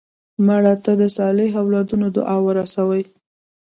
مړه ته د صالح اولادونو دعا ورسوې